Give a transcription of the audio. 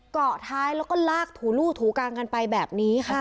เกาะท้ายแล้วก็ลากถูลู่ถูกางกันไปแบบนี้ค่ะ